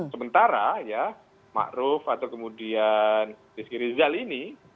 sementara ya ma'ruf atau kemudian rizky rizal ini